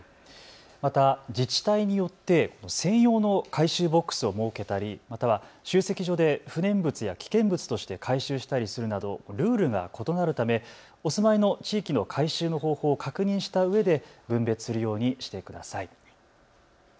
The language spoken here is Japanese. また自治体によって専用の回収ボックスを設けたりまたは集積所で不燃物や危険物として回収したりするなどルールが異なるためお住まいの地域の回収の方法を確認したうえで分別するようにしてください。